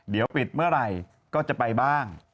เดี๋ยวปิดเมื่อไหร่ก็จะไปบ้าง